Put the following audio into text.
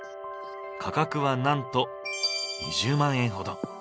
価格はなんと２０万円ほど。